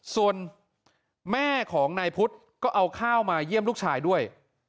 ส่วนแม่ของนายพุทธก็เอาข้าวมาเยี่ยมลูกชายด้วย